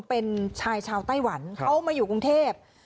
เป็นชายชาวไต้หวันเขามาอยู่กรุงเทพ